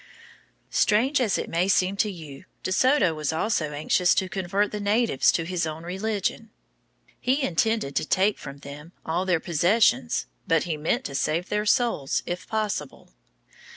Strange as it may seem to you, De Soto was also anxious to convert the natives to his own religion. He intended to take from them all their possessions, but he meant to save their souls, if possible.